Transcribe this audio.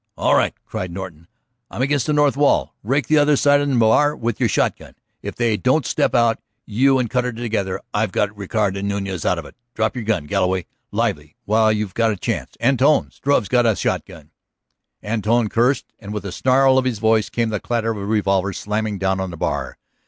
"All right!" cried Norton. "I'm against the north wall; rake the other side and the bar with your shotgun if they don't step out. You and Cutter together. I've got Rickard and Nuñez out of it. Drop your gun, Galloway; lively, while you've got the chance. Antone, Struve's got a shotgun!" Antone cursed, and with the snarl of his voice came the clatter of a revolver slammed down on the bar.